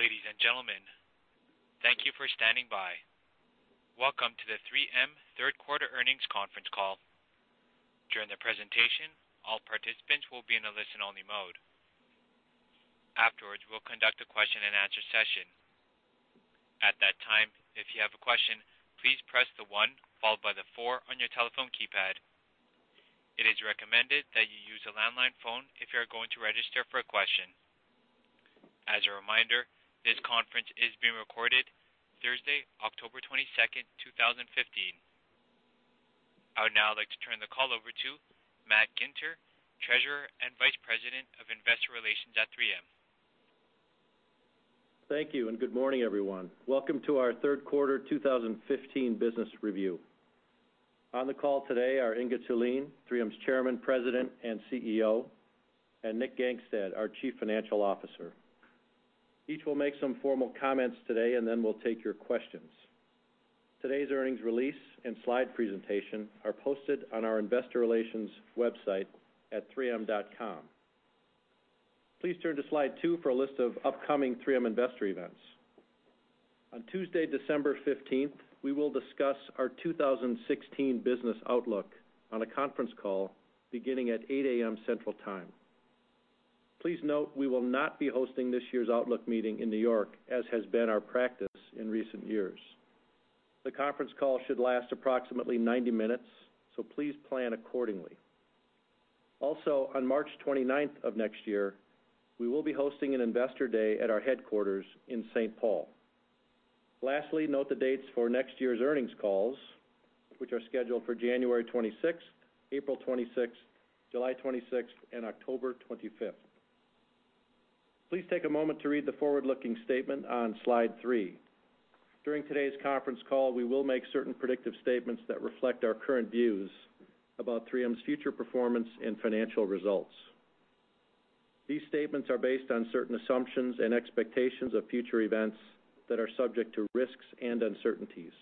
Ladies and gentlemen, thank you for standing by. Welcome to the 3M third quarter earnings conference call. During the presentation, all participants will be in a listen-only mode. Afterwards, we will conduct a question and answer session. At that time, if you have a question, please press 1 followed by 4 on your telephone keypad. It is recommended that you use a landline phone if you are going to register for a question. As a reminder, this conference is being recorded Thursday, October 22nd, 2015. I would now like to turn the call over to Matt Ginter, Treasurer and Vice President of Investor Relations at 3M. Thank you. Good morning, everyone. Welcome to our third quarter 2015 business review. On the call today are Inge Thulin, 3M's Chairman, President, and CEO, and Nick Gangestad, our Chief Financial Officer. Each will make some formal comments today, and then we will take your questions. Today's earnings release and slide presentation are posted on our investor relations website at 3m.com. Please turn to slide two for a list of upcoming 3M investor events. On Tuesday, December 15th, we will discuss our 2016 business outlook on a conference call beginning at 8:00 A.M. Central Time. Please note we will not be hosting this year's outlook meeting in New York, as has been our practice in recent years. The conference call should last approximately 90 minutes, please plan accordingly. On March 29th of next year, we will be hosting an investor day at our headquarters in St. Paul. Lastly, note the dates for next year's earnings calls, which are scheduled for January 26th, April 26th, July 26th, and October 25th. Please take a moment to read the forward-looking statement on slide three. During today's conference call, we will make certain predictive statements that reflect our current views about 3M's future performance and financial results. These statements are based on certain assumptions and expectations of future events that are subject to risks and uncertainties.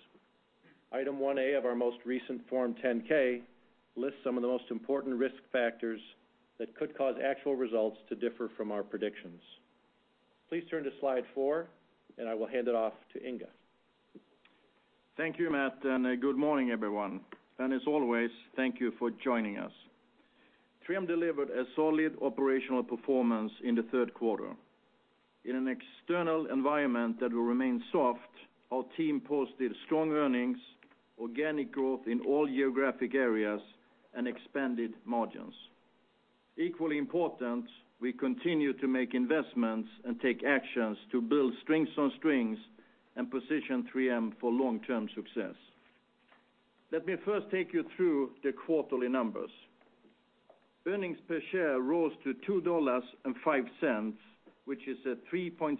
Item 1A of our most recent Form 10-K lists some of the most important risk factors that could cause actual results to differ from our predictions. Please turn to slide four. I will hand it off to Inge. Thank you, Matt. Good morning, everyone. As always, thank you for joining us. 3M delivered a solid operational performance in the third quarter. In an external environment that will remain soft, our team posted strong earnings, organic growth in all geographic areas, and expanded margins. Equally important, we continue to make investments and take actions to build strengths on strengths and position 3M for long-term success. Let me first take you through the quarterly numbers. Earnings per share rose to $2.05, which is a 3.5%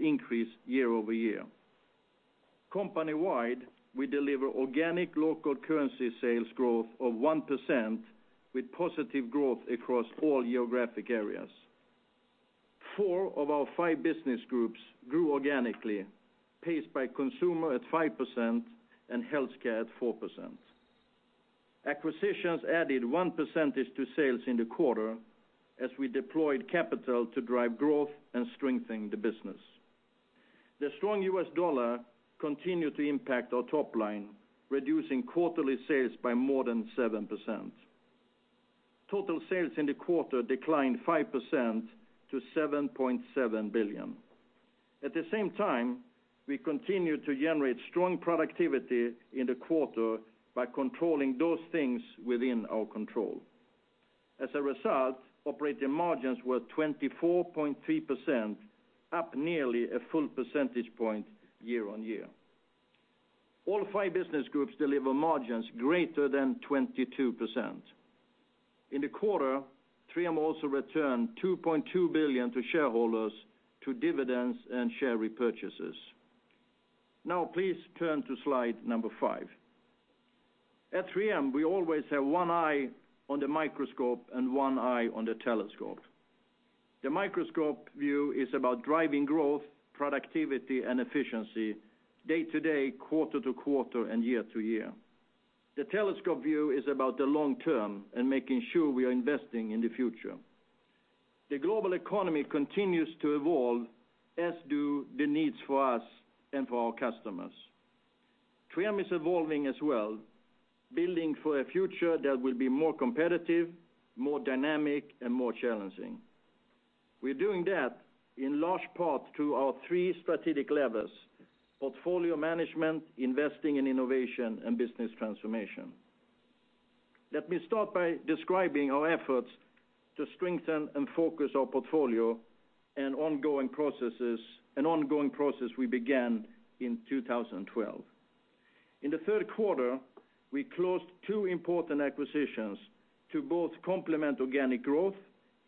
increase year-over-year. Company-wide, we deliver organic local currency sales growth of 1% with positive growth across all geographic areas. Four of our five business groups grew organically, paced by Consumer at 5% and Healthcare at 4%. Acquisitions added one percentage to sales in the quarter as we deployed capital to drive growth and strengthen the business. The strong US dollar continued to impact our top line, reducing quarterly sales by more than 7%. Total sales in the quarter declined 5% to $7.7 billion. At the same time, we continued to generate strong productivity in the quarter by controlling those things within our control. As a result, operating margins were 24.3%, up nearly a full percentage point year-over-year. All five business groups deliver margins greater than 22%. In the quarter, 3M also returned $2.2 billion to shareholders through dividends and share repurchases. Please turn to slide number five. At 3M, we always have one eye on the microscope and one eye on the telescope. The microscope view is about driving growth, productivity, and efficiency day-to-day, quarter-to-quarter, and year-to-year. The telescope view is about the long term and making sure we are investing in the future. The global economy continues to evolve, as do the needs for us and for our customers. 3M is evolving as well, building for a future that will be more competitive, more dynamic, and more challenging. We're doing that in large part through our three strategic levers: portfolio management, investing in innovation, and business transformation. Let me start by describing our efforts to strengthen and focus our portfolio and ongoing process we began in 2012. In the third quarter, we closed two important acquisitions to both complement organic growth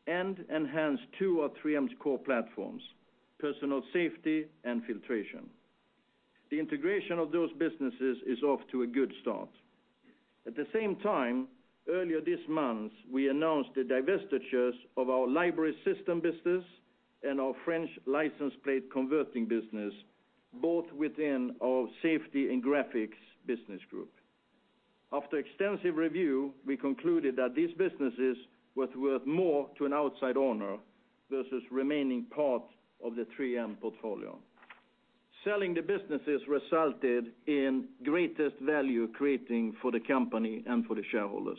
and enhance two of 3M's core platforms, personal safety and filtration. The integration of those businesses is off to a good start. At the same time, earlier this month, we announced the divestitures of our library system business and our French license plate converting business, both within our Safety and Graphics Business Group. After extensive review, we concluded that these businesses was worth more to an outside owner versus remaining part of the 3M portfolio. Selling the businesses resulted in greatest value creating for the company and for the shareholders.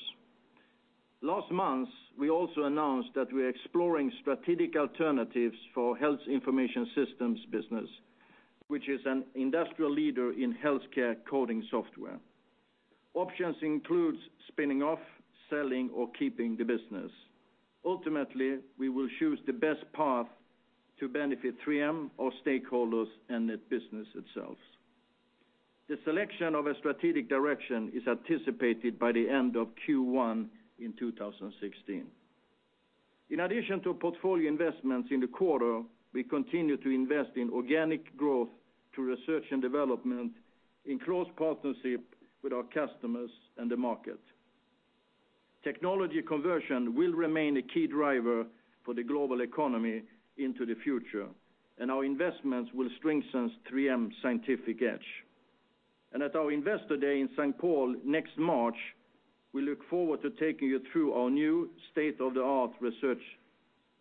Last month, we also announced that we are exploring strategic alternatives for 3M Health Information Systems business, which is an industry leader in healthcare coding software. Options includes spinning off, selling, or keeping the business. Ultimately, we will choose the best path to benefit 3M, our stakeholders, and the business itself. The selection of a strategic direction is anticipated by the end of Q1 in 2016. In addition to portfolio investments in the quarter, we continue to invest in organic growth through research and development in close partnership with our customers and the market. Technology conversion will remain a key driver for the global economy into the future, our investments will strengthen 3M's scientific edge. At our Investor Day in St. Paul next March, we look forward to taking you through our new state-of-the-art research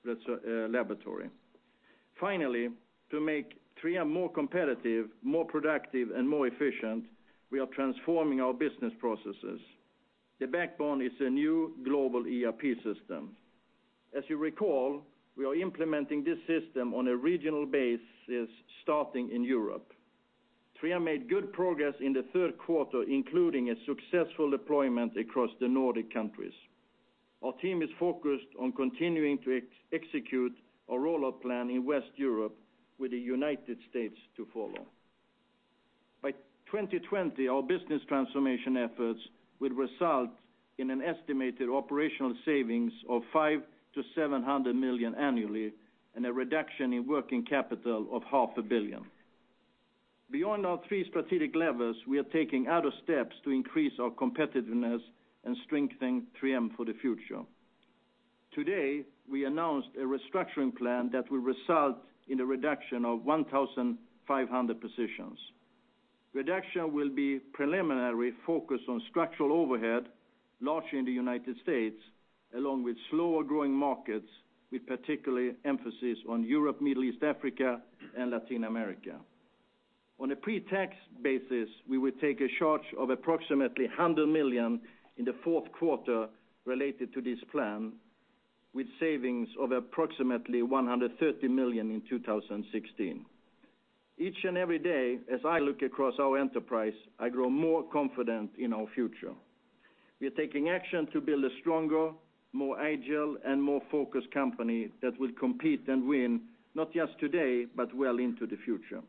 laboratory. To make 3M more competitive, more productive, and more efficient, we are transforming our business processes. The backbone is a new global ERP system. As you recall, we are implementing this system on a regional basis starting in Europe. 3M made good progress in the third quarter, including a successful deployment across the Nordic countries. Our team is focused on continuing to execute a roll-out plan in West Europe, with the U.S. to follow. By 2020, our business transformation efforts will result in an estimated operational savings of $5 million-$700 million annually and a reduction in working capital of half a billion. Beyond our three strategic levers, we are taking other steps to increase our competitiveness and strengthen 3M for the future. Today, we announced a restructuring plan that will result in the reduction of 1,500 positions. Reduction will be preliminarily focused on structural overhead, largely in the U.S., along with slower-growing markets, with particular emphasis on Europe, Middle East, Africa, and Latin America. On a pre-tax basis, we will take a charge of approximately $100 million in the fourth quarter related to this plan, with savings of approximately $130 million in 2016. Each and every day, as I look across our enterprise, I grow more confident in our future. We are taking action to build a stronger, more agile, and more focused company that will compete and win, not just today, but well into the future.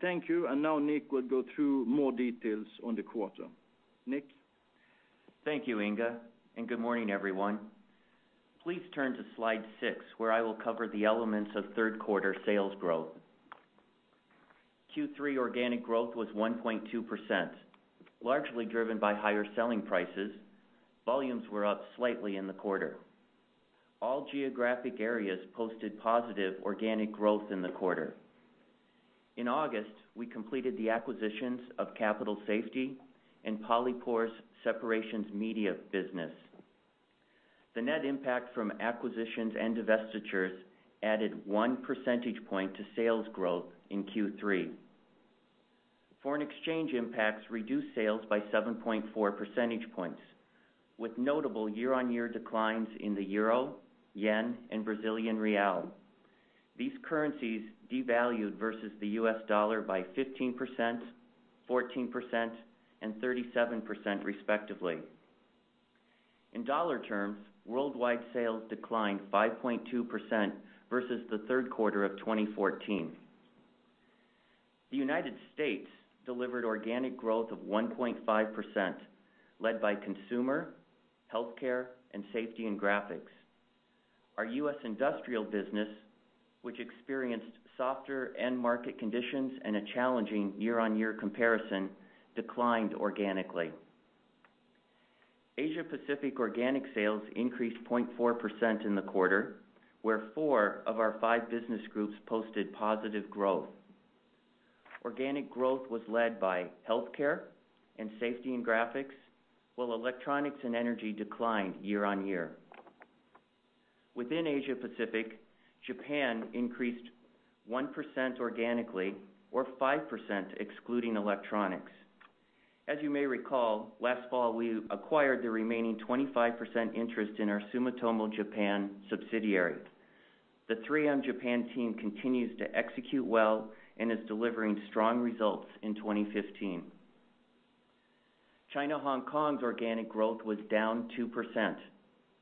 Thank you. Now Nick will go through more details on the quarter. Nick? Thank you, Inge. Good morning, everyone. Please turn to slide six, where I will cover the elements of third quarter sales growth. Q3 organic growth was 1.2%, largely driven by higher selling prices. Volumes were up slightly in the quarter. All geographic areas posted positive organic growth in the quarter. In August, we completed the acquisitions of Capital Safety and Polypore's Separations Media business. The net impact from acquisitions and divestitures added one percentage point to sales growth in Q3. Foreign exchange impacts reduced sales by 7.4 percentage points, with notable year-on-year declines in the euro, yen, and Brazilian real. These currencies devalued versus the U.S. dollar by 15%, 14%, and 37% respectively. In dollar terms, worldwide sales declined 5.2% versus the third quarter of 2014. The U.S. delivered organic growth of 1.5%, led by Consumer Health Care, Health Care, and Safety and Graphics. Our U.S. industrial business, which experienced softer end market conditions and a challenging year-on-year comparison, declined organically. Asia Pacific organic sales increased 0.4% in the quarter, where four of our five business groups posted positive growth. Organic growth was led by Health Care and Safety and Graphics, while Electronics and energy declined year-on-year. Within Asia Pacific, Japan increased 1% organically or 5% excluding Electronics. As you may recall, last fall, we acquired the remaining 25% interest in our Sumitomo 3M subsidiary. The 3M Japan team continues to execute well and is delivering strong results in 2015. China/Hong Kong's organic growth was down 2%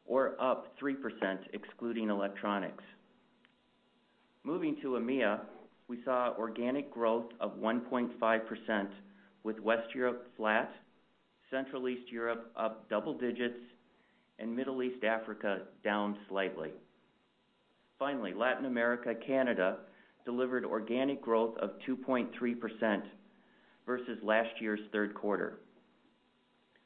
or up 3% excluding Electronics. Moving to EMEA, we saw organic growth of 1.5% with West Europe flat, Central East Europe up double digits, and Middle East Africa down slightly. Finally, Latin America/Canada delivered organic growth of 2.3% versus last year's third quarter.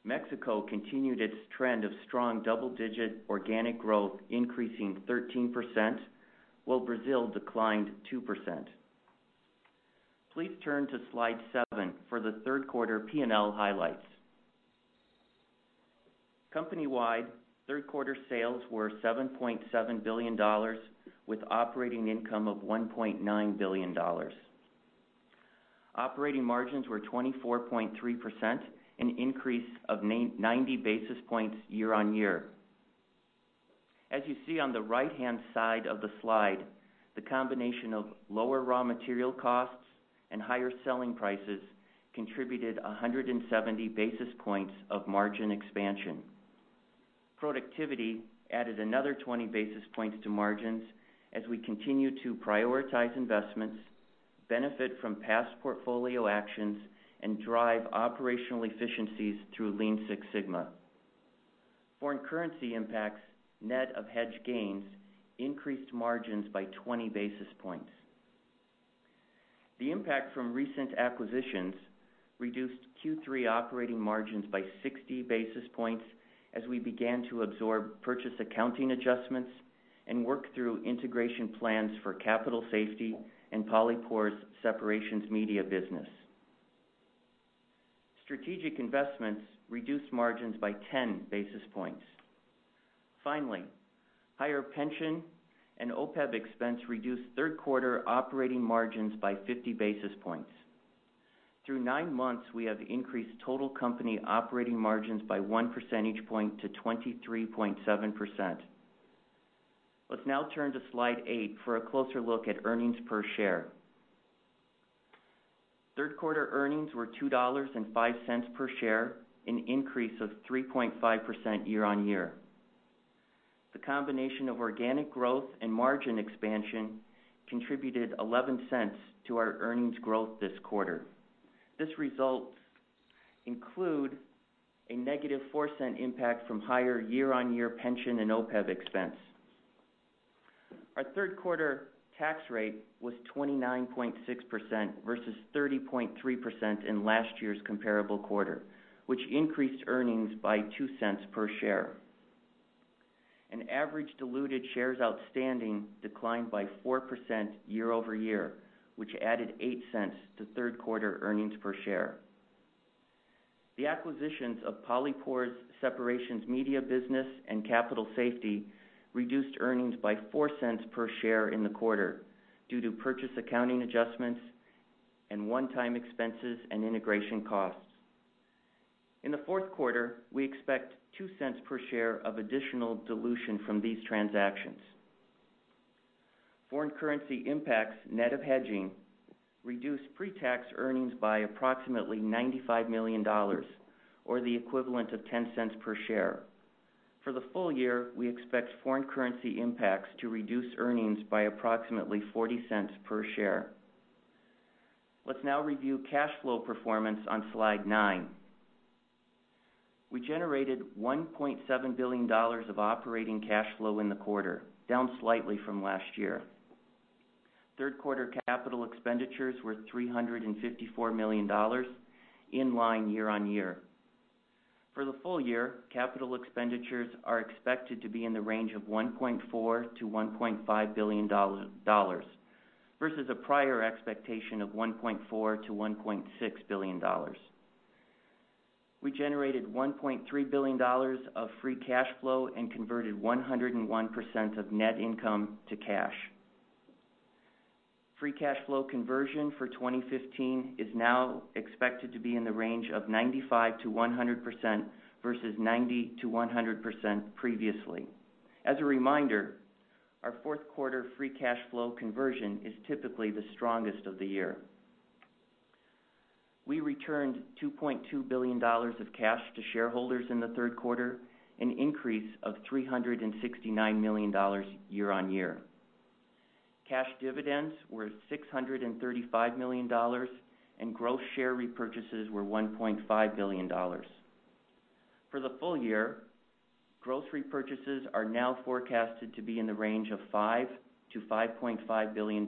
Mexico continued its trend of strong double-digit organic growth increasing 13%, while Brazil declined 2%. Please turn to Slide seven for the third quarter P&L highlights. Company-wide, third quarter sales were $7.7 billion, with operating income of $1.9 billion. Operating margins were 24.3%, an increase of 90 basis points year-on-year. As you see on the right-hand side of the slide, the combination of lower raw material costs and higher selling prices contributed 170 basis points of margin expansion. Productivity added another 20 basis points to margins as we continue to prioritize investments, benefit from past portfolio actions, and drive operational efficiencies through Lean Six Sigma. Foreign currency impacts, net of hedge gains, increased margins by 20 basis points. The impact from recent acquisitions reduced Q3 operating margins by 60 basis points as we began to absorb purchase accounting adjustments and work through integration plans for Capital Safety and Polypore's Separations Media business. Strategic investments reduced margins by 10 basis points. Finally, higher pension and OPEB expense reduced third quarter operating margins by 50 basis points. Through nine months, we have increased total company operating margins by one percentage point to 23.7%. Let's now turn to Slide 8 for a closer look at earnings per share. Third quarter earnings were $2.05 per share, an increase of 3.5% year-on-year. The combination of organic growth and margin expansion contributed $0.11 to our earnings growth this quarter. This result includes a negative $0.04 impact from higher year-on-year pension and OPEB expense. Our third quarter tax rate was 29.6% versus 30.3% in last year's comparable quarter, which increased earnings by $0.02 per share. Average diluted shares outstanding declined by 4% year-over-year, which added $0.08 to third quarter earnings per share. The acquisitions of Polypore's Separations Media business and Capital Safety reduced earnings by $0.04 per share in the quarter due to purchase accounting adjustments and one-time expenses and integration costs. In the fourth quarter, we expect $0.02 per share of additional dilution from these transactions. Foreign currency impacts net of hedging reduced pre-tax earnings by approximately $95 million, or the equivalent of $0.10 per share. For the full year, we expect foreign currency impacts to reduce earnings by approximately $0.40 per share. Let's now review cash flow performance on Slide 9. We generated $1.7 billion of operating cash flow in the quarter, down slightly from last year. Third quarter capital expenditures were $354 million, in line year-on-year. For the full year, capital expenditures are expected to be in the range of $1.4 billion-$1.5 billion, versus a prior expectation of $1.4 billion-$1.6 billion. We generated $1.3 billion of free cash flow and converted 101% of net income to cash. Free cash flow conversion for 2015 is now expected to be in the range of 95%-100%, versus 90%-100% previously. As a reminder, our fourth quarter free cash flow conversion is typically the strongest of the year. We returned $2.2 billion of cash to shareholders in the third quarter, an increase of $369 million year-on-year. Cash dividends were $635 million, and gross share repurchases were $1.5 billion. For the full year, gross repurchases are now forecasted to be in the range of $5 billion-$5.5 billion,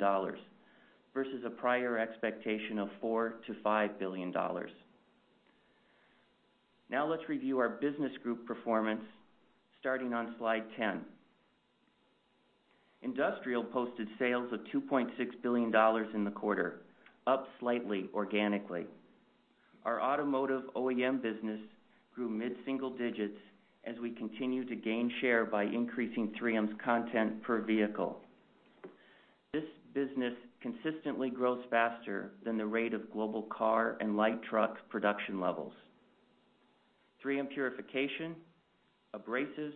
versus a prior expectation of $4 billion-$5 billion. Now let's review our business group performance starting on Slide 10. Industrial posted sales of $2.6 billion in the quarter, up slightly organically. Our automotive OEM business grew mid-single digits as we continue to gain share by increasing 3M's content per vehicle. This business consistently grows faster than the rate of global car and light truck production levels. 3M Purification, Abrasives,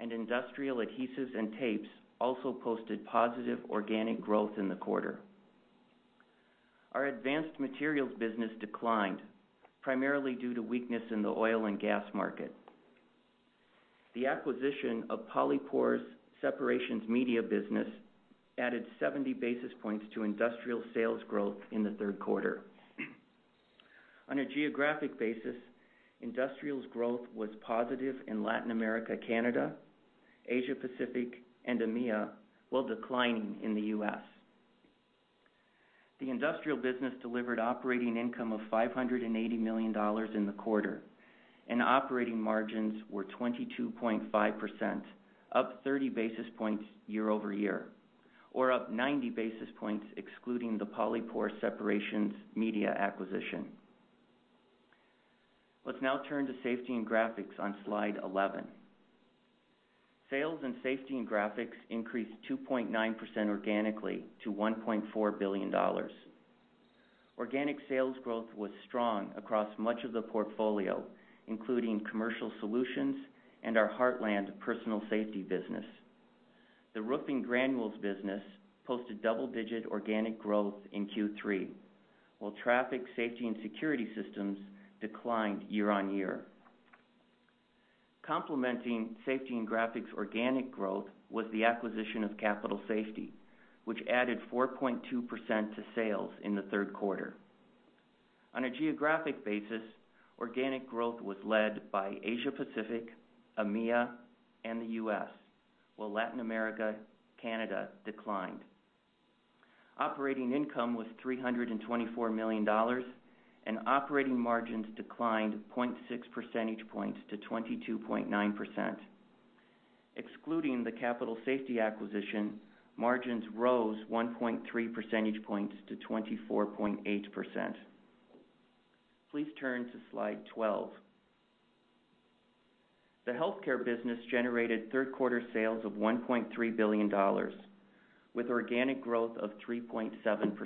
and Industrial Adhesives and Tapes also posted positive organic growth in the quarter. Our Advanced Materials business declined, primarily due to weakness in the oil and gas market. The acquisition of Polypore's Separations Media business added 70 basis points to Industrial sales growth in the third quarter. On a geographic basis, Industrial's growth was positive in Latin America, Canada, Asia Pacific, and EMEA, while declining in the U.S. The Industrial business delivered operating income of $580 million in the quarter. Operating margins were 22.5%, up 30 basis points year-over-year, or up 90 basis points excluding the Polypore Separations Media acquisition. Let's now turn to Safety and Graphics on slide 11. Sales in Safety and Graphics increased 2.9% organically to $1.4 billion. Organic sales growth was strong across much of the portfolio, including Commercial Solutions and our Heartland personal safety business. The Roofing Granules business posted double-digit organic growth in Q3, while Traffic Safety and Security Division declined year-on-year. Complementing Safety and Graphics organic growth was the acquisition of Capital Safety, which added 4.2% to sales in the third quarter. On a geographic basis, organic growth was led by Asia Pacific, EMEA, and the U.S., while Latin America, Canada declined. Operating income was $324 million, and operating margins declined 0.6 percentage points to 22.9%. Excluding the Capital Safety acquisition, margins rose 1.3 percentage points to 24.8%. Please turn to slide 12. The Healthcare business generated third-quarter sales of $1.3 billion, with organic growth of 3.7%.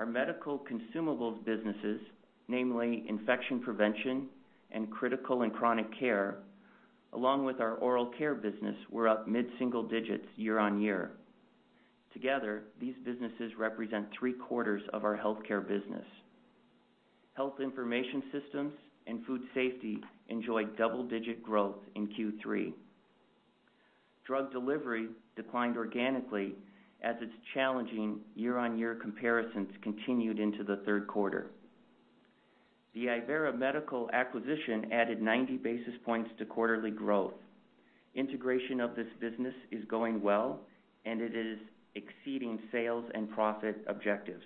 Our medical consumables businesses, namely Infection Prevention and Critical and Chronic Care, along with our Oral Care business, were up mid-single digits year-on-year. Together, these businesses represent three-quarters of our Healthcare business. Health Information Systems and Food Safety enjoyed double-digit growth in Q3. Drug Delivery declined organically as its challenging year-on-year comparisons continued into the third quarter. The Ivera Medical acquisition added 90 basis points to quarterly growth. Integration of this business is going well, and it is exceeding sales and profit objectives.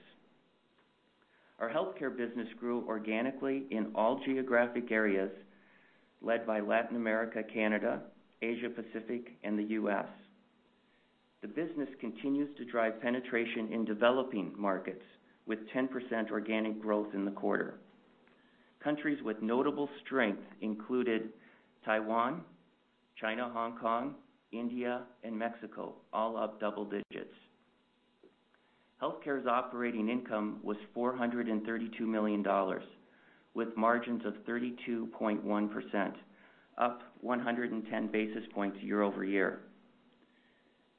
Our Healthcare business grew organically in all geographic areas led by Latin America, Canada, Asia Pacific, and the U.S. The business continues to drive penetration in developing markets with 10% organic growth in the quarter. Countries with notable strength included Taiwan, China, Hong Kong, India, and Mexico, all up double digits. Healthcare's operating income was $432 million, with margins of 32.1%, up 110 basis points year-over-year.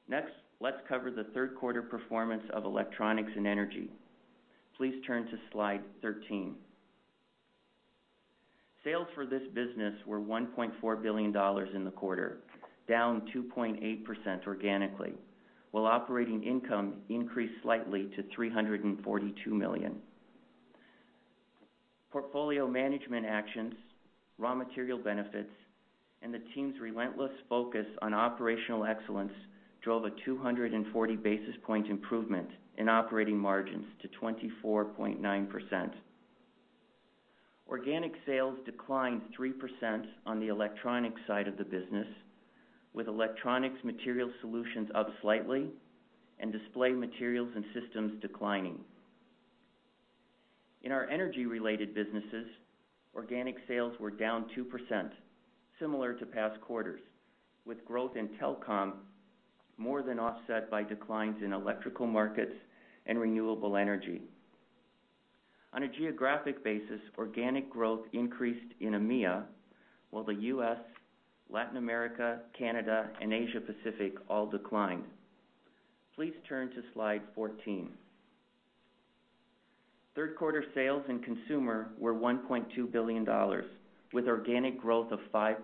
Next, let's cover the third quarter performance of Electronics and Energy. Please turn to slide 13. Sales for this business were $1.4 billion in the quarter, down 2.8% organically, while operating income increased slightly to $342 million. Portfolio management actions, raw material benefits, and the team's relentless focus on operational excellence drove a 240 basis point improvement in operating margins to 24.9%. Organic sales declined 3% on the electronics side of the business, with Electronics Material Solutions up slightly and Display Materials and Systems declining. In our energy-related businesses, organic sales were down 2%, similar to past quarters, with growth in telecom more than offset by declines in electrical markets and renewable energy. On a geographic basis, organic growth increased in EMEA, while the U.S., Latin America, Canada, and Asia Pacific all declined. Please turn to slide 14. Third quarter sales in Consumer were $1.2 billion, with organic growth of 5%.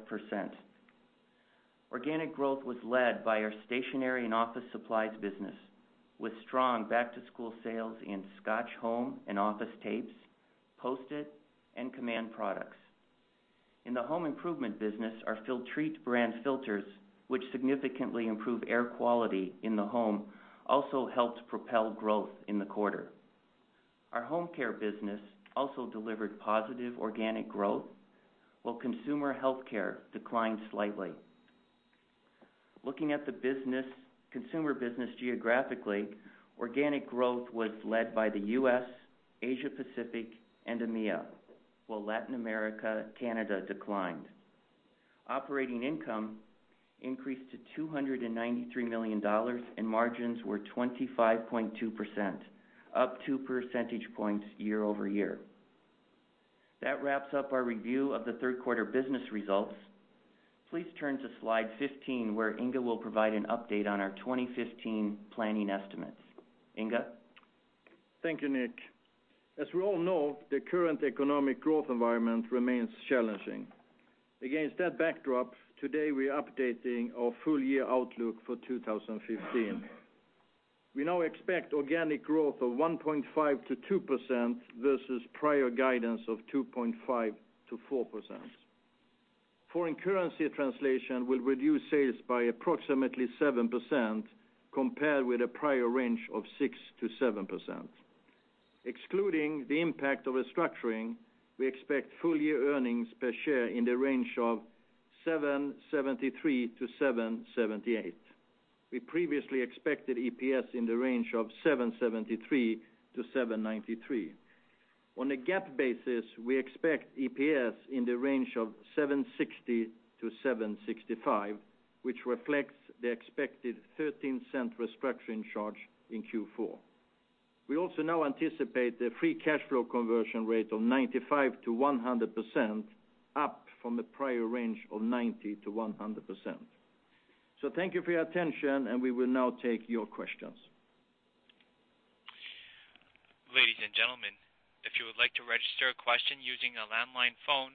Organic growth was led by our Stationery and Office Supplies business, with strong back-to-school sales in Scotch home and office tapes, Post-it, and Command products. In the Home Improvement business, our Filtrete brand filters, which significantly improve air quality in the home, also helped propel growth in the quarter. Our Home Care business also delivered positive organic growth, while Consumer Health Care declined slightly. Looking at the Consumer business geographically, organic growth was led by the U.S., Asia Pacific, and EMEA, while Latin America, Canada declined. Operating income increased to $293 million, and margins were 25.2%, up 2 percentage points year-over-year. That wraps up our review of the third quarter business results. Please turn to slide 15, where Inge will provide an update on our 2015 planning estimates. Inge? Thank you, Nick. As we all know, the current economic growth environment remains challenging. Against that backdrop, today we are updating our full-year outlook for 2015. We now expect organic growth of 1.5%-2%, versus prior guidance of 2.5%-4%. Foreign currency translation will reduce sales by approximately 7%, compared with a prior range of 6%-7%. Excluding the impact of restructuring, we expect full-year earnings per share in the range of $7.73-$7.78. We previously expected EPS in the range of $7.73-$7.93. On a GAAP basis, we expect EPS in the range of $7.60-$7.65, which reflects the expected $0.13 restructuring charge in Q4. We also now anticipate the free cash flow conversion rate of 95%-100%, up from the prior range of 90%-100%. Thank you for your attention, and we will now take your questions. Ladies and gentlemen, if you would like to register a question using a landline phone,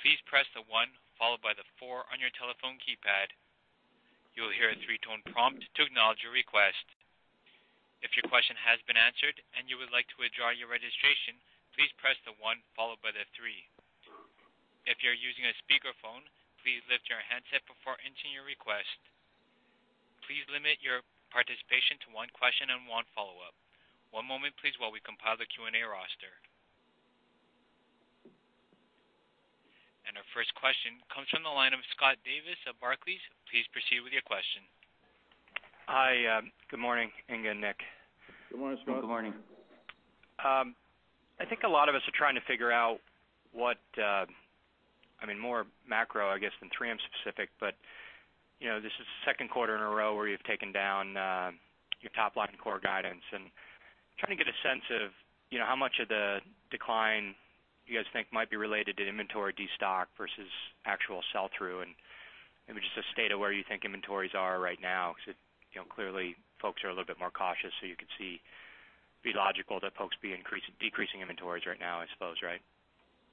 please press the one followed by the four on your telephone keypad. You will hear a three-tone prompt to acknowledge your request. If your question has been answered and you would like to withdraw your registration, please press the one followed by the three. If you're using a speakerphone, please lift your handset before entering your request. Please limit your participation to one question and one follow-up. One moment, please, while we compile the Q&A roster. Our first question comes from the line of Scott Davis at Barclays. Please proceed with your question. Hi. Good morning, Inge and Nick. Good morning, Scott. Good morning. I think a lot of us are trying to figure out what, more macro, I guess, than 3M specific, but this is the second quarter in a row where you've taken down your top-line core guidance and trying to get a sense of how much of the decline you guys think might be related to inventory destock versus actual sell-through, and maybe just a state of where you think inventories are right now. Because clearly folks are a little bit more cautious, you could see, be logical that folks be decreasing inventories right now, I suppose, right?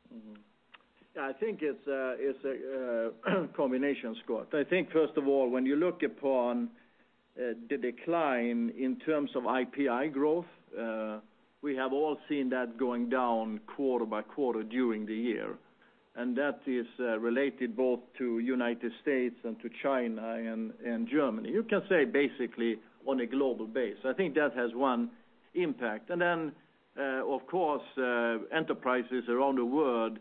Mm-hmm. I think it's a combination, Scott. I think, first of all, when you look upon the decline in terms of IPI growth, we have all seen that going down quarter by quarter during the year, and that is related both to United States and to China and Germany. You can say basically on a global base. I think that has one impact. Of course, enterprises around the world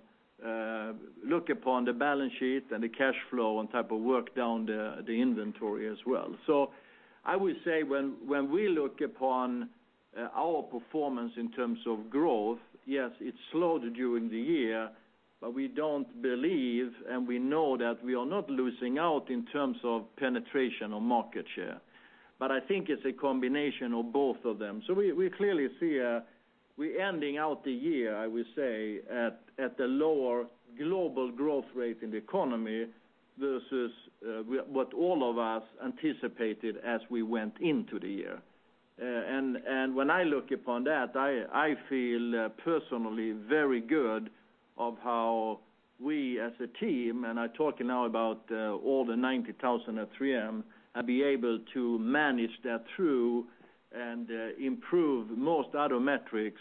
look upon the balance sheet and the cash flow and type of work down the inventory as well. I would say when we look upon our performance in terms of growth, yes, it slowed during the year, but we don't believe, and we know that we are not losing out in terms of penetration or market share. I think it's a combination of both of them. We clearly see we're ending out the year, I would say, at the lower global growth rate in the economy versus what all of us anticipated as we went into the year. When I look upon that, I feel personally very good of how we as a team, and I'm talking now about all the 90,000 at 3M, have been able to manage that through and improve most other metrics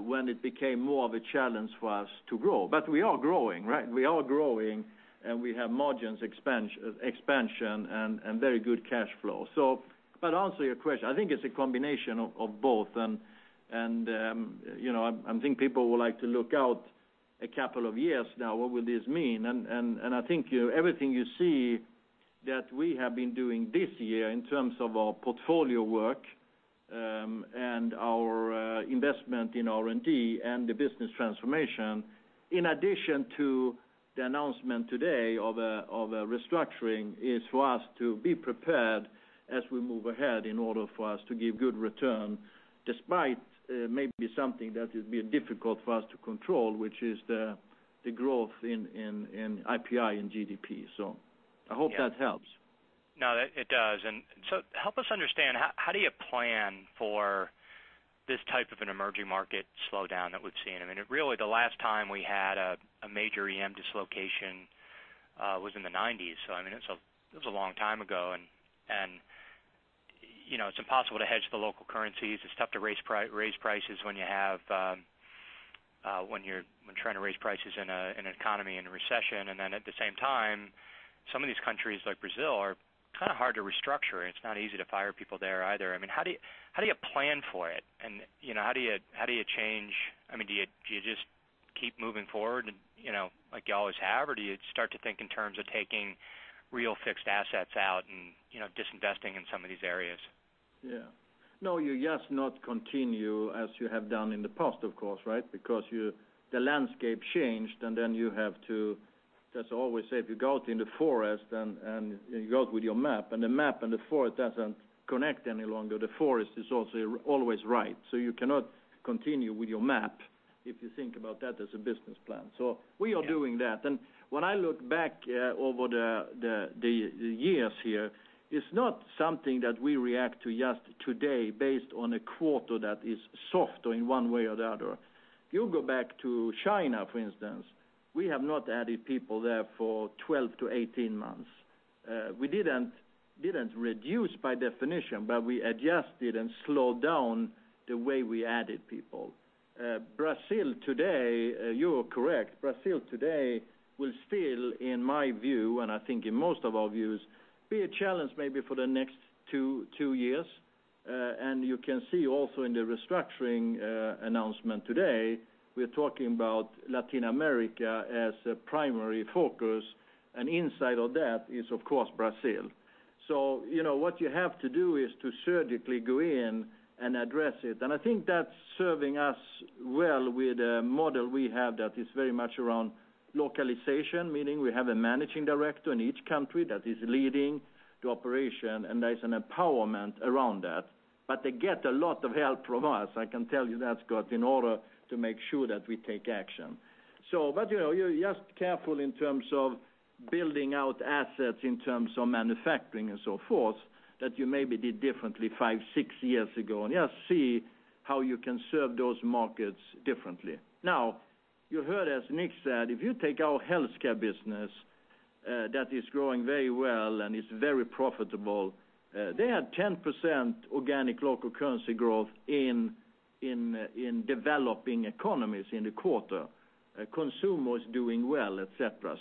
when it became more of a challenge for us to grow. We are growing, right? We are growing, and we have margins expansion and very good cash flow. To answer your question, I think it's a combination of both. I think people would like to look out a couple of years now, what will this mean? I think everything you see that we have been doing this year in terms of our portfolio work and our investment in R&D and the business transformation, in addition to the announcement today of a restructuring, is for us to be prepared as we move ahead in order for us to give good return despite maybe something that would be difficult for us to control, which is the growth in IPI and GDP. I hope that helps. No, it does. Help us understand, how do you plan for this type of an emerging market slowdown that we've seen? Really the last time we had a major EM dislocation was in the 1990s, so it was a long time ago, and it's impossible to hedge the local currencies. It's tough to raise prices when you're trying to raise prices in an economy in a recession. At the same time, some of these countries, like Brazil, are kind of hard to restructure, and it's not easy to fire people there either. How do you plan for it? How do you change? Do you just keep moving forward like you always have, or do you start to think in terms of taking real fixed assets out and disinvesting in some of these areas? Yeah. No, you just not continue as you have done in the past, of course, right? The landscape changed, you have to, as I always say, if you go out in the forest and you go out with your map, and the map and the forest doesn't connect any longer, the forest is also always right. You cannot continue with your map if you think about that as a business plan. We are doing that. When I look back over the years here, it's not something that we react to just today based on a quarter that is soft or in one way or the other. If you go back to China, for instance, we have not added people there for 12-18 months. We didn't reduce by definition, but we adjusted and slowed down the way we added people. You are correct, Brazil today will still, in my view, and I think in most of our views, be a challenge maybe for the next two years. You can see also in the restructuring announcement today, we're talking about Latin America as a primary focus, and inside of that is, of course, Brazil. What you have to do is to surgically go in and address it. I think that's serving us well with a model we have that is very much around localization, meaning we have a managing director in each country that is leading the operation, and there's an empowerment around that. They get a lot of help from us, I can tell you that, Scott, in order to make sure that we take action. You're just careful in terms of building out assets, in terms of manufacturing and so forth, that you maybe did differently five, six years ago, and just see how you can serve those markets differently. You heard as Nick said, if you take our Health Care business that is growing very well and is very profitable, they had 10% organic local currency growth in developing economies in the quarter. Consumer was doing well, et cetera.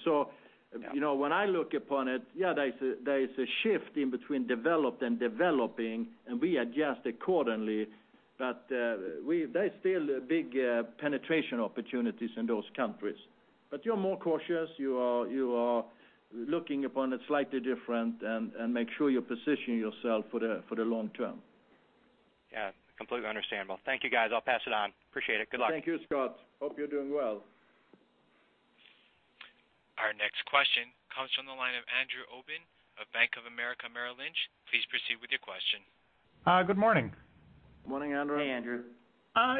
Yeah. When I look upon it, there is a shift in between developed and developing, and we adjust accordingly. There is still big penetration opportunities in those countries. You're more cautious. You are looking upon it slightly different and make sure you position yourself for the long term. Completely understandable. Thank you, guys. I'll pass it on. Appreciate it. Good luck. Thank you, Scott. Hope you're doing well. Our next question comes from the line of Andrew Obin of Bank of America Merrill Lynch. Please proceed with your question. Good morning. Morning, Andrew. Hey, Andrew.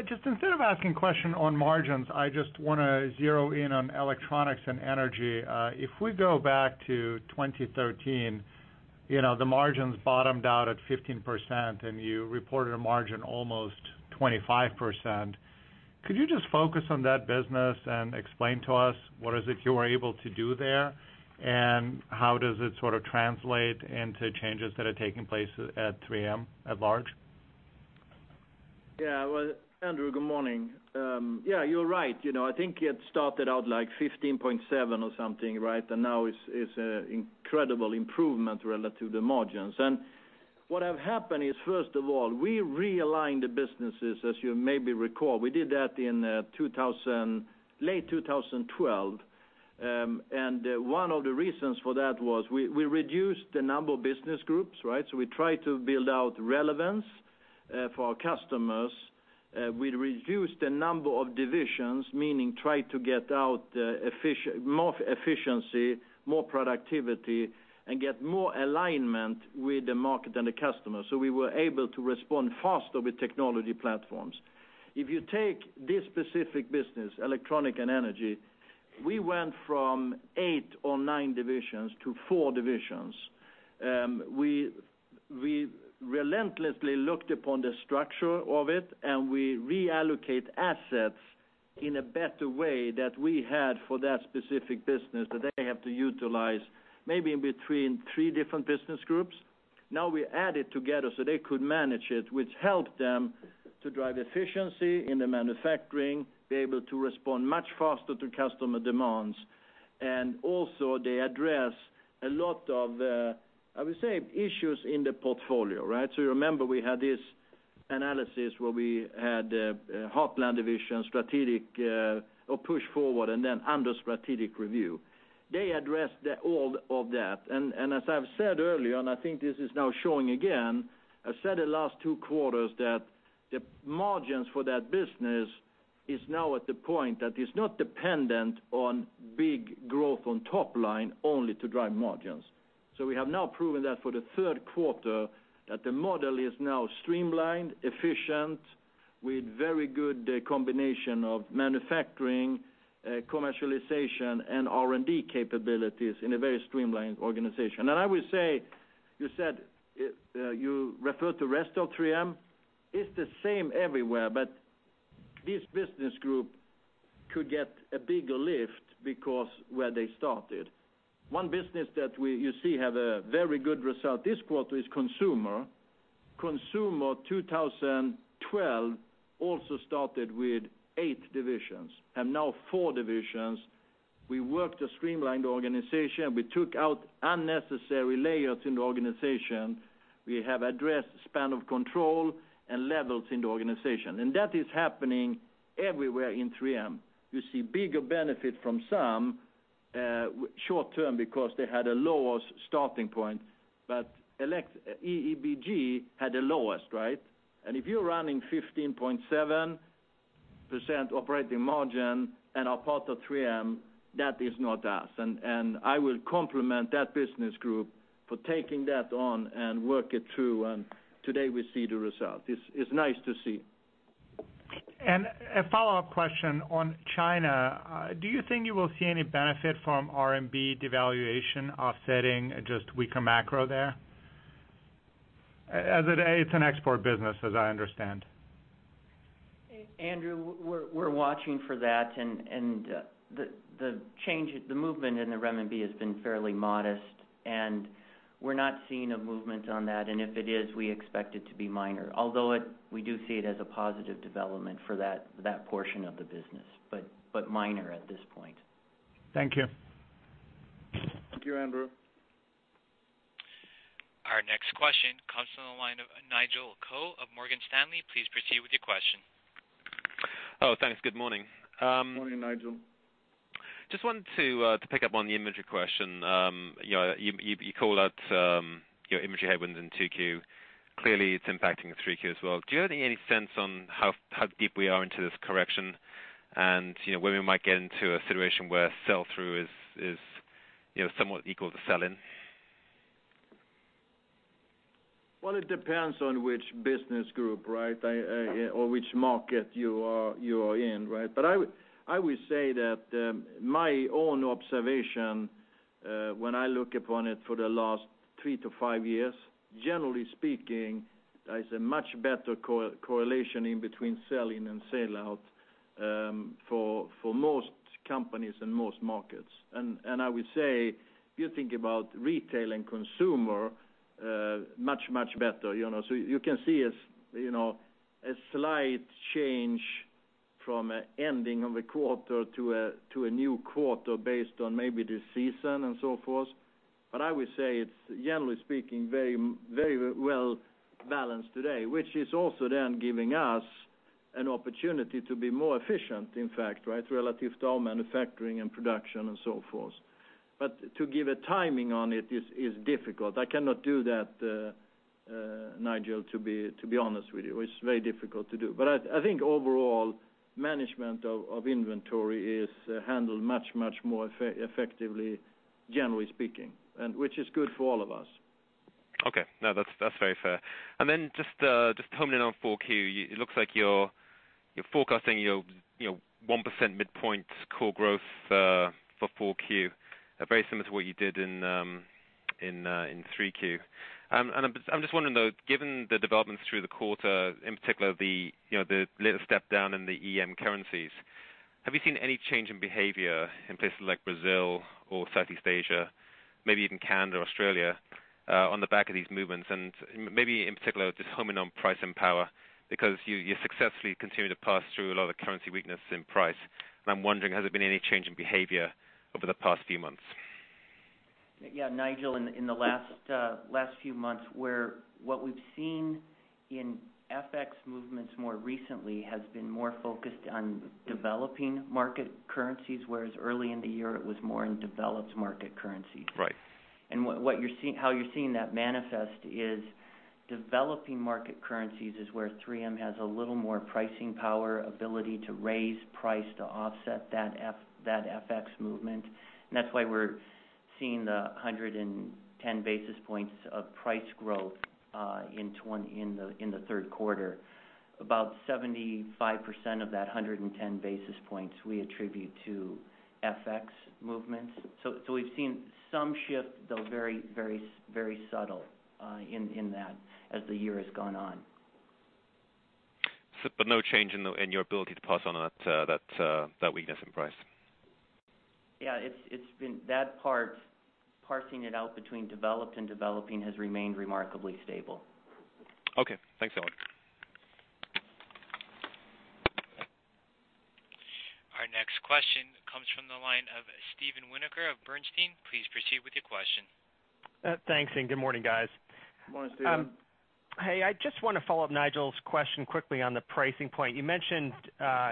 Just instead of asking question on margins, I just want to zero in on electronics and energy. If we go back to 2013, the margins bottomed out at 15%, and you reported a margin almost 25%. Could you just focus on that business and explain to us what is it you were able to do there, and how does it sort of translate into changes that are taking place at 3M at large? Yeah. Well, Andrew, good morning. Yeah, you're right. I think it started out like 15.7 or something, right? Now it's incredible improvement relative to margins. What have happened is, first of all, we realigned the businesses, as you maybe recall. We did that in late 2012. One of the reasons for that was we reduced the number of business groups, right? We tried to build out relevance for our customers. We reduced the number of divisions, meaning tried to get out more efficiency, more productivity, and get more alignment with the market and the customer. We were able to respond faster with technology platforms. If you take this specific business, electronic and energy, we went from eight or nine divisions to four divisions. We relentlessly looked upon the structure of it, and we reallocate assets in a better way that we had for that specific business that they have to utilize, maybe in between three different business groups. Now we add it together so they could manage it, which helped them to drive efficiency in the manufacturing, be able to respond much faster to customer demands. Also they address a lot of, I would say, issues in the portfolio, right? You remember we had this analysis where we had Heartland Division strategic or push forward, and then under strategic review. They addressed all of that. As I've said earlier, and I think this is now showing again, I said the last two quarters that the margins for that business is now at the point that it's not dependent on big growth on top line only to drive margins. We have now proven that for the third quarter that the model is now streamlined, efficient, with very good combination of manufacturing, commercialization, and R&D capabilities in a very streamlined organization. I would say, you referred to rest of 3M, it's the same everywhere, but this business group could get a bigger lift because where they started. One business that you see have a very good result this quarter is consumer. Consumer 2012 also started with eight divisions and now four divisions. We worked to streamline the organization. We took out unnecessary layers in the organization. We have addressed span of control and levels in the organization. That is happening everywhere in 3M. You see bigger benefit from some, short-term because they had a lower starting point. EEBG had the lowest, right? If you're running 15.7% operating margin and are part of 3M, that is not us. I will compliment that business group for taking that on and work it through, and today we see the result. It's nice to see. A follow-up question on China. Do you think you will see any benefit from RMB devaluation offsetting just weaker macro there? As it's an export business, as I understand. Andrew, we're watching for that, and the movement in the renminbi has been fairly modest, and we're not seeing a movement on that. If it is, we expect it to be minor, although we do see it as a positive development for that portion of the business, but minor at this point. Thank you. Thank you, Andrew. Our next question comes from the line of Nigel Coe of Morgan Stanley. Please proceed with your question. Oh, Thanks. Good morning. Morning, Nigel. Just wanted to pick up on the inventory question. You called out your inventory headwinds in 2Q. Clearly, it's impacting 3Q as well. Do you have any sense on how deep we are into this correction, and when we might get into a situation where sell-through is somewhat equal to sell-in? It depends on which business group, or which market you are in, right? I would say that my own observation, when I look upon it for the last three to five years, generally speaking, there's a much better correlation in between sell-in and sell-out for most companies in most markets. I would say, if you think about retail and consumer, much, much better. You can see a slight change from an ending of a quarter to a new quarter based on maybe the season and so forth. I would say it's, generally speaking, very well balanced today, which is also then giving us an opportunity to be more efficient, in fact, right, relative to our manufacturing and production and so forth. To give a timing on it is difficult. I cannot do that, Nigel, to be honest with you. It's very difficult to do. I think overall, management of inventory is handled much, much more effectively, generally speaking, which is good for all of us. Okay. No, that's very fair. Just homing in on 4Q, it looks like you're forecasting your 1% midpoint core growth for 4Q, very similar to what you did in 3Q. I'm just wondering, though, given the developments through the quarter, in particular the little step down in the EM currencies, have you seen any change in behavior in places like Brazil or Southeast Asia, maybe even Canada or Australia, on the back of these movements? Maybe in particular, just homing on pricing power, because you successfully continue to pass through a lot of currency weakness in price. I'm wondering, has there been any change in behavior over the past few months? Yeah, Nigel, in the last few months, what we've seen in FX movements more recently has been more focused on developing market currencies, whereas early in the year, it was more in developed market currencies. Right. How you're seeing that manifest is developing market currencies is where 3M has a little more pricing power, ability to raise price to offset that FX movement. That's why we're seeing the 110 basis points of price growth in the third quarter. About 75% of that 110 basis points we attribute to FX movements. We've seen some shift, though very subtle in that as the year has gone on. No change in your ability to pass on that weakness in price. Yeah, that part, parsing it out between developed and developing has remained remarkably stable. Okay. Thanks a lot. Our next question comes from the line of Steven Winoker of Bernstein. Please proceed with your question. Thanks, and good morning, guys. Morning, Steven. Hey, I just want to follow up Nigel's question quickly on the pricing point. You mentioned,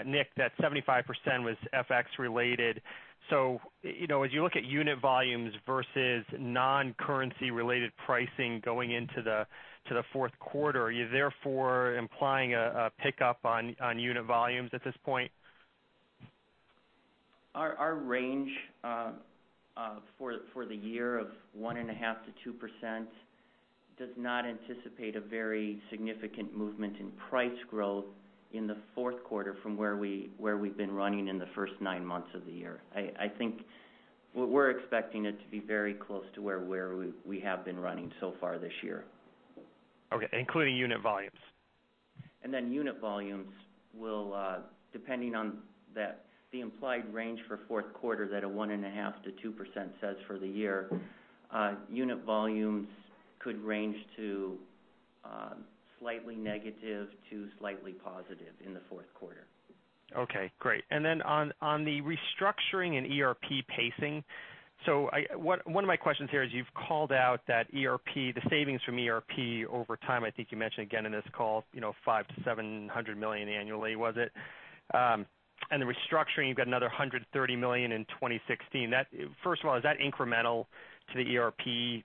Nick, that 75% was FX related. As you look at unit volumes versus non-currency related pricing going into the fourth quarter, are you therefore implying a pickup on unit volumes at this point? Our range for the year of 1.5%-2% does not anticipate a very significant movement in price growth in the fourth quarter from where we've been running in the first nine months of the year. I think we're expecting it to be very close to where we have been running so far this year. Okay, including unit volumes. Unit volumes will, depending on the implied range for fourth quarter that a 1.5%-2% says for the year, unit volumes could range to slightly negative to slightly positive in the fourth quarter. Okay, great. On the restructuring and ERP pacing, one of my questions here is you've called out that the savings from ERP over time, I think you mentioned again in this call, $500 million-$700 million annually, was it? The restructuring, you've got another $130 million in 2016. First of all, is that incremental to the ERP,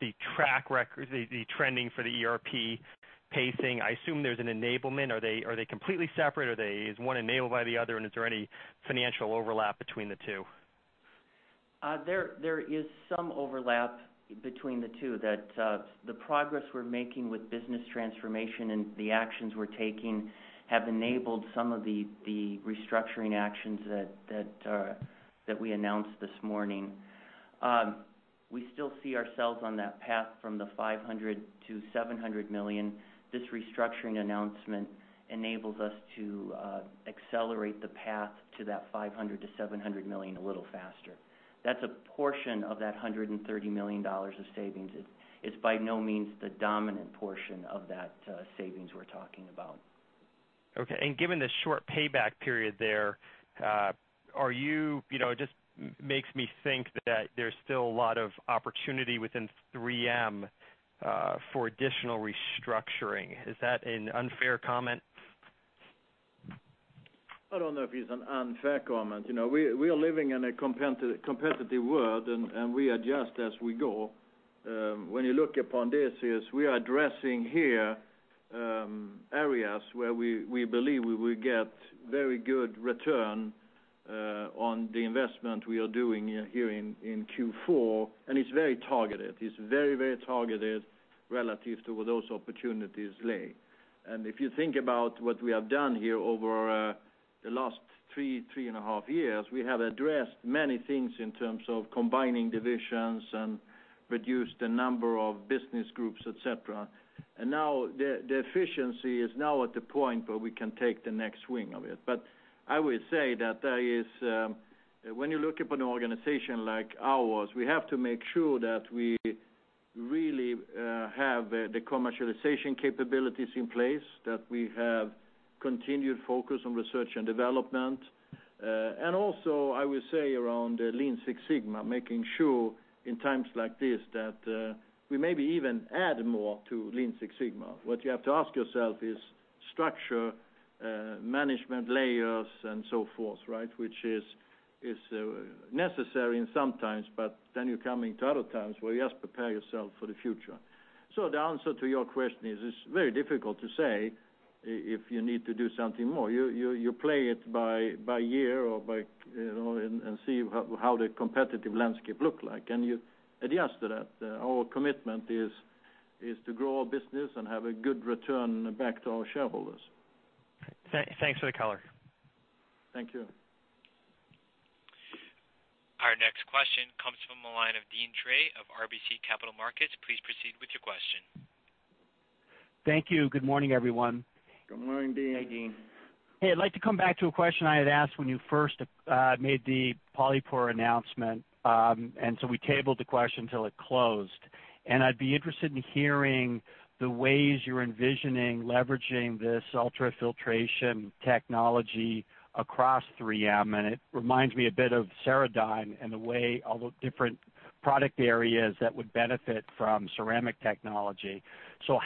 the trending for the ERP pacing? I assume there's an enablement. Are they completely separate, or is one enabled by the other, and is there any financial overlap between the two? There is some overlap between the two. The progress we're making with business transformation and the actions we're taking have enabled some of the restructuring actions that we announced this morning. We still see ourselves on that path from the $500 million-$700 million. This restructuring announcement enables us to accelerate the path to that $500 million-$700 million a little faster. That's a portion of that $130 million of savings. It's by no means the dominant portion of that savings we're talking about. Okay. Given the short payback period there, it just makes me think that there's still a lot of opportunity within 3M for additional restructuring. Is that an unfair comment? I don't know if it's an unfair comment. We are living in a competitive world. We adjust as we go. When you look upon this, we are addressing here areas where we believe we will get very good return on the investment we are doing here in Q4. It's very targeted. It's very targeted relative to where those opportunities lay. If you think about what we have done here over the last three and a half years, we have addressed many things in terms of combining divisions and reduced the number of business groups, et cetera. Now, the efficiency is now at the point where we can take the next wing of it. I would say that when you look upon an organization like ours, we have to make sure that we really have the commercialization capabilities in place, that we have continued focus on research and development. Also, I would say around Lean Six Sigma, making sure in times like this that we maybe even add more to Lean Six Sigma. What you have to ask yourself is structure, management layers and so forth, which is necessary sometimes. You come into other times where you just prepare yourself for the future. The answer to your question is, it's very difficult to say if you need to do something more. You play it by year and see how the competitive landscape look like. You adjust to that. Our commitment is to grow our business and have a good return back to our shareholders. Thanks for the color. Thank you. Our next question comes from the line of Deane Dray of RBC Capital Markets. Please proceed with your question. Thank you. Good morning, everyone. Good morning, Deane. Hey, Deane. Hey, I'd like to come back to a question I had asked when you first made the Polypore announcement, we tabled the question till it closed. I'd be interested in hearing the ways you're envisioning leveraging this ultrafiltration technology across 3M, it reminds me a bit of Ceradyne and the way all the different product areas that would benefit from ceramic technology.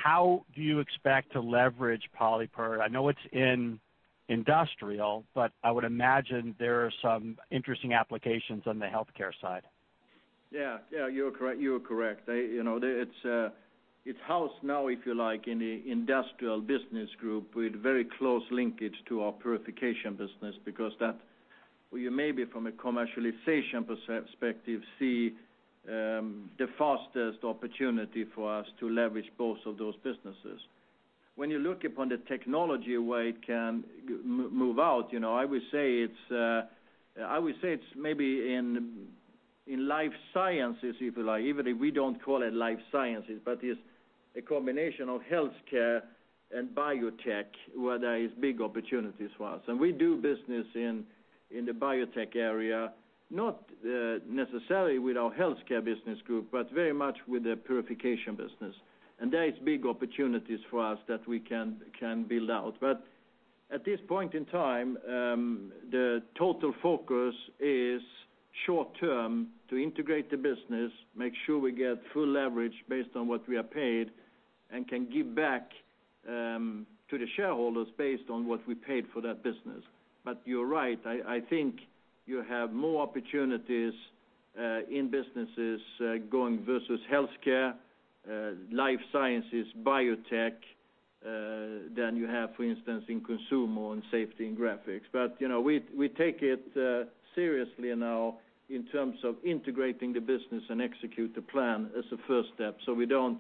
How do you expect to leverage Polypore? I know it's in industrial, but I would imagine there are some interesting applications on the healthcare side. Yeah. You are correct. It's housed now, if you like, in the Industrial Business Group with very close linkage to our Purification Business, because that we maybe from a commercialization perspective, see the fastest opportunity for us to leverage both of those businesses. When you look upon the technology, where it can move out, I would say it's maybe in life sciences, if you like, even if we don't call it life sciences, but it's a combination of health care and biotech where there is big opportunities for us. We do business in the biotech area, not necessarily with our Health Care Business Group, but very much with the Purification Business. There is big opportunities for us that we can build out. At this point in time, the total focus is short term to integrate the business, make sure we get full leverage based on what we are paid, and can give back to the shareholders based on what we paid for that business. You're right. I think you have more opportunities in businesses going versus Health Care, life sciences, biotech, than you have, for instance, in Consumer and Safety and Graphics. We take it seriously now in terms of integrating the business and execute the plan as a first step. We don't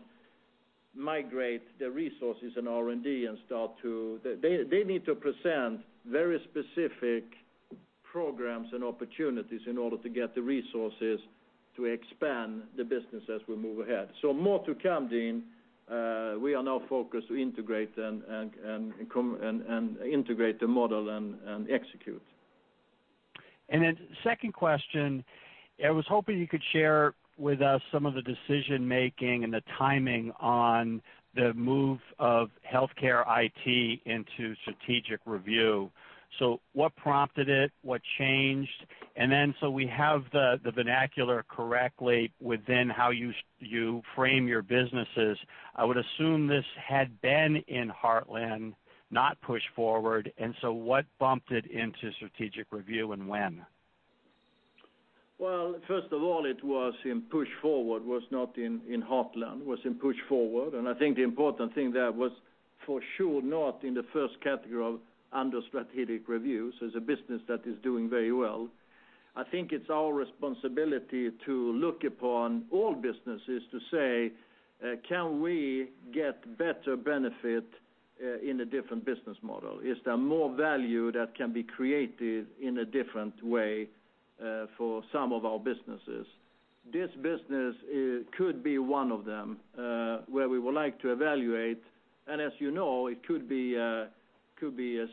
migrate the resources and R&D. They need to present very specific programs and opportunities in order to get the resources to expand the business as we move ahead. More to come, Deane. We are now focused to integrate the model and execute. Second question, I was hoping you could share with us some of the decision-making and the timing on the move of Health Care IT into strategic review. What prompted it? What changed? We have the vernacular correctly within how you frame your businesses. I would assume this had been in Heartland, not pushed forward, what bumped it into strategic review and when? Well, first of all, it was in push forward, was not in Heartland, was in push forward. I think the important thing there was for sure not in the first category of under strategic review. It's a business that is doing very well. I think it's our responsibility to look upon all businesses to say, can we get better benefit in a different business model. Is there more value that can be created in a different way for some of our businesses? This business could be one of them, where we would like to evaluate, and as you know, it could be a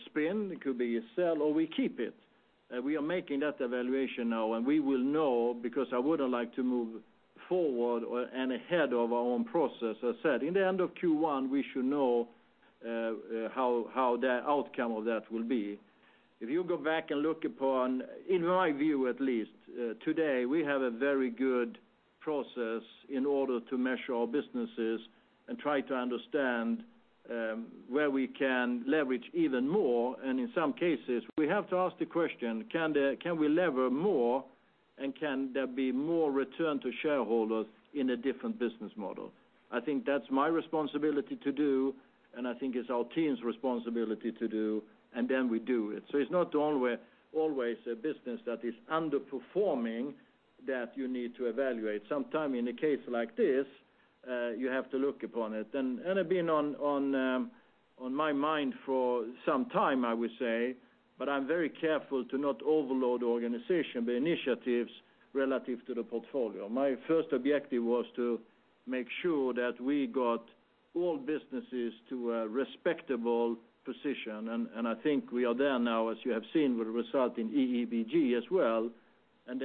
spin, it could be a sell, or we keep it. We are making that evaluation now, and we will know, because I wouldn't like to move forward and ahead of our own process. As said, in the end of Q1, we should know how the outcome of that will be. If you go back and look upon, in my view at least, today, we have a very good process in order to measure our businesses and try to understand where we can leverage even more. In some cases, we have to ask the question: Can we lever more, and can there be more return to shareholders in a different business model? I think that's my responsibility to do, and I think it's our team's responsibility to do, and then we do it. It's not always a business that is underperforming that you need to evaluate. Sometime in a case like this, you have to look upon it. It had been on my mind for some time, I would say, I'm very careful to not overload the organization, the initiatives relative to the portfolio. My first objective was to make sure that we got all businesses to a respectable position, and I think we are there now, as you have seen, with result in EEBG as well, then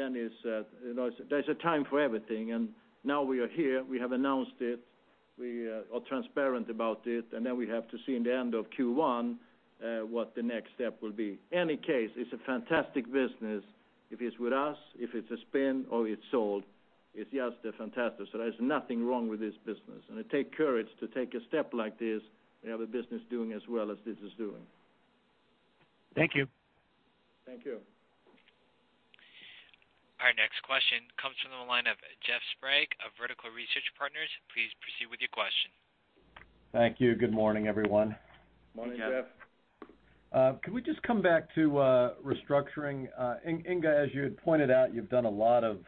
there's a time for everything. Now we are here. We have announced it. We are transparent about it, then we have to see in the end of Q1 what the next step will be. Any case, it's a fantastic business. If it's with us, if it's a spin or it's sold, it's just fantastic. There's nothing wrong with this business. It take courage to take a step like this when you have a business doing as well as this is doing. Thank you. Thank you. Our next question comes from the line of Jeff Sprague of Vertical Research Partners. Please proceed with your question. Thank you. Good morning, everyone. Morning, Jeff. Can we just come back to restructuring? Inge, as you had pointed out, you've done a lot of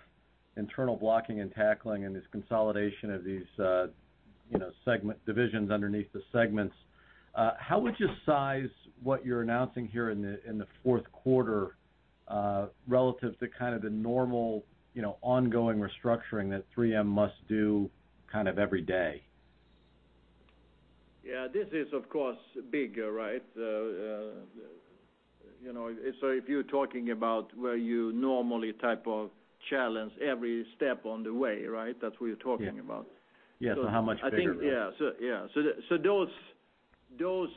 internal blocking and tackling in this consolidation of these divisions underneath the segments. How would you size what you're announcing here in the fourth quarter relative to kind of the normal ongoing restructuring that 3M must do kind of every day? Yeah. This is of course bigger, right? If you're talking about where you normally type of challenge every step on the way, right? That's what you're talking about. Yes. How much bigger is it? Yeah. Those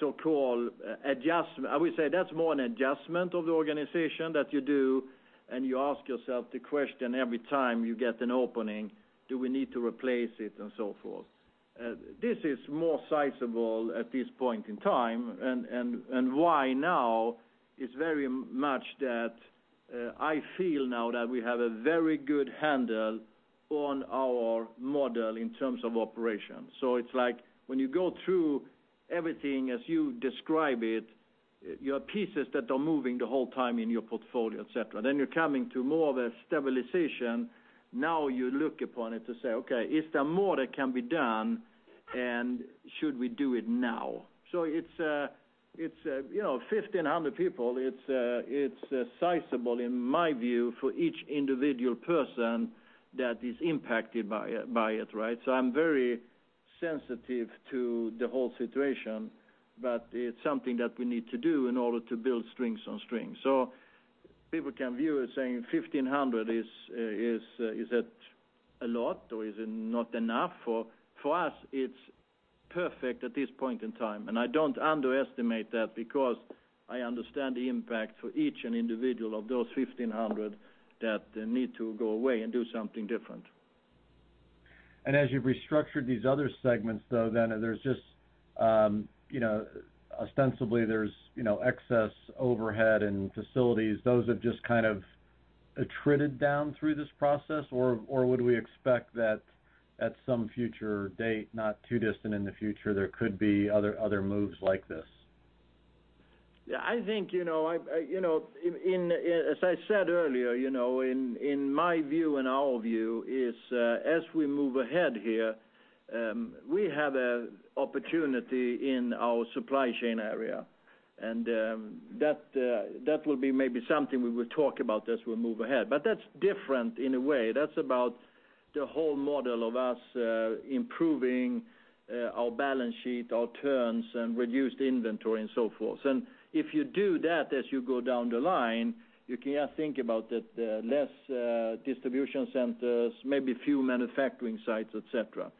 so-called adjustment, I would say that's more an adjustment of the organization that you do, and you ask yourself the question every time you get an opening: Do we need to replace it and so forth? This is more sizable at this point in time, and why now is very much that I feel now that we have a very good handle on our model in terms of operations. It's like when you go through everything as you describe it, you have pieces that are moving the whole time in your portfolio, et cetera. You're coming to more of a stabilization. You look upon it to say, okay, is there more that can be done, and should we do it now? It's 1,500 people. It's sizable in my view, for each individual person that is impacted by it, right? I'm very sensitive to the whole situation, it's something that we need to do in order to build strengths on strengths. People can view it saying 1,500 is it a lot or is it not enough? For us, it's perfect at this point in time, and I don't underestimate that because I understand the impact for each individual of those 1,500 that need to go away and do something different. As you've restructured these other segments, though, there's just ostensibly excess overhead and facilities. Those have just kind of attrited down through this process, or would we expect that at some future date, not too distant in the future, there could be other moves like this? As I said earlier, in my view, in our view is as we move ahead here, we have an opportunity in our supply chain area. That will be maybe something we will talk about as we move ahead. That's different in a way. That's about the whole model of us improving our balance sheet, our turns, and reduced inventory and so forth. If you do that as you go down the line, you can think about the less distribution centers, maybe few manufacturing sites, et cetera.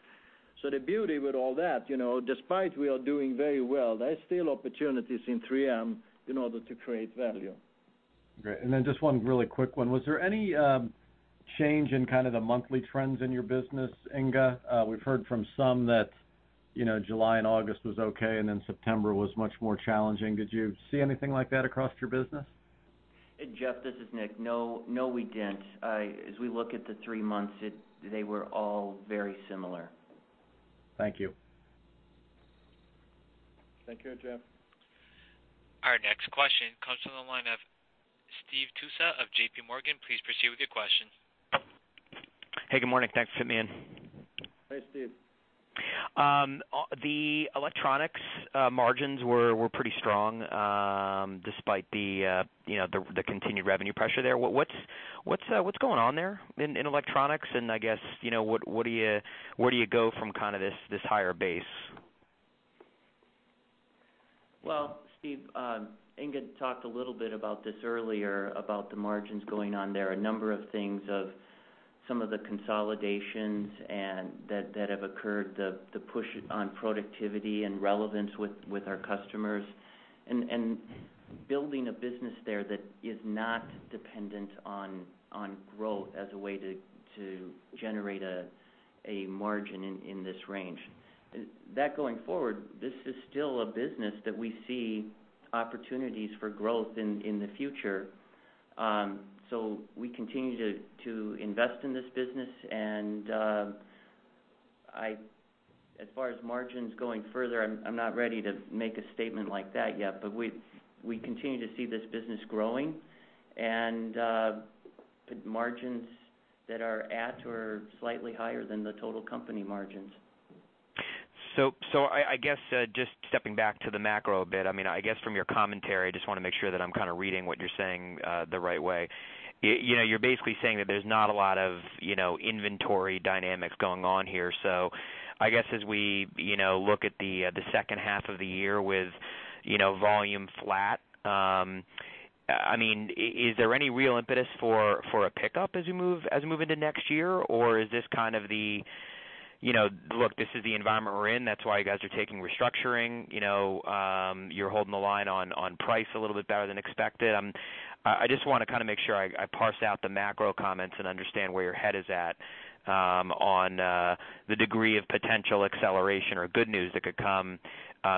The beauty with all that, despite we are doing very well, there are still opportunities in 3M in order to create value. Great. Just one really quick one. Was there any change in kind of the monthly trends in your business, Inge? We've heard from some that July and August was okay, September was much more challenging. Did you see anything like that across your business? Jeff, this is Nick. We didn't. As we look at the three months, they were all very similar. Thank you. Thank you, Jeff. Our next question comes from the line of Steve Tusa of JPMorgan. Please proceed with your question. Hey, good morning. Thanks, fit me in. Thanks, Steve. The electronics margins were pretty strong, despite the continued revenue pressure there. What's going on there in electronics, and I guess, where do you go from this higher base? Well, Steve, Ingun talked a little bit about this earlier, about the margins going on there. A number of things of some of the consolidations that have occurred, the push on productivity and relevance with our customers, and building a business there that is not dependent on growth as a way to generate a margin in this range. That going forward, this is still a business that we see opportunities for growth in the future. We continue to invest in this business, as far as margins going further, I'm not ready to make a statement like that yet, we continue to see this business growing and margins that are at or slightly higher than the total company margins. I guess, just stepping back to the macro a bit, I guess from your commentary, I just want to make sure that I'm kind of reading what you're saying the right way. You're basically saying that there's not a lot of inventory dynamics going on here. I guess as we look at the second half of the year with volume flat, is there any real impetus for a pickup as we move into next year? Or is this kind of the, look, this is the environment we're in, that's why you guys are taking restructuring, you're holding the line on price a little bit better than expected? I just want to kind of make sure I parse out the macro comments and understand where your head is at on the degree of potential acceleration or good news that could come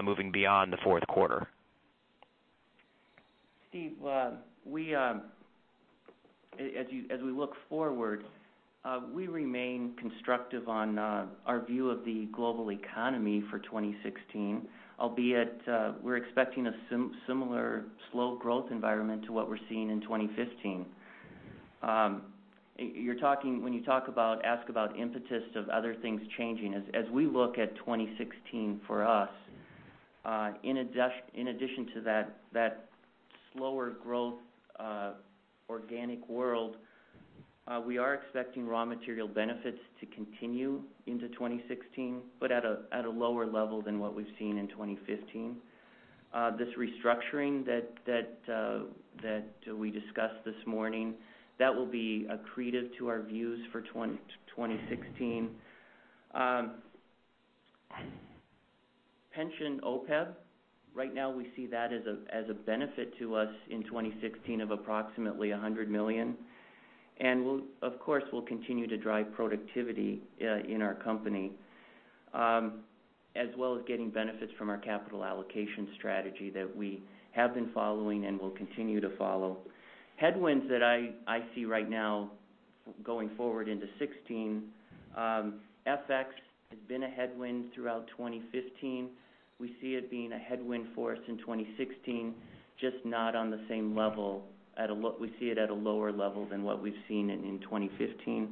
moving beyond the fourth quarter. Steve, as we look forward, we remain constructive on our view of the global economy for 2016, albeit we're expecting a similar slow growth environment to what we're seeing in 2015. When you ask about impetus of other things changing, as we look at 2016 for us, in addition to that slower growth organic world, we are expecting raw material benefits to continue into 2016, but at a lower level than what we've seen in 2015. This restructuring that we discussed this morning, that will be accretive to our views for 2016. Pension OPEB, right now we see that as a benefit to us in 2016 of approximately $100 million. Of course, we'll continue to drive productivity in our company, as well as getting benefits from our capital allocation strategy that we have been following and will continue to follow. Headwinds that I see right now going forward into 2016, FX has been a headwind throughout 2015. We see it being a headwind for us in 2016, just not on the same level. We see it at a lower level than what we've seen in 2015.